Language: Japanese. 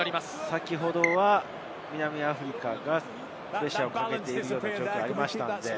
先ほどは南アフリカがプレッシャーをかけているような状況でした。